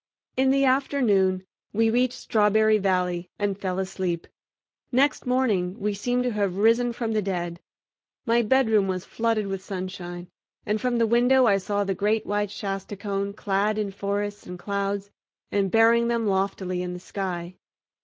In the afternoon we reached Strawberry Valley and fell asleep. Next morning we seemed to have risen from the dead. My bedroom was flooded with sunshine, and from the window I saw the great white Shasta cone clad in forests and clouds and bearing them loftily in the sky.